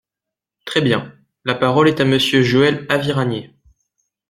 Très bien ! La parole est à Monsieur Joël Aviragnet.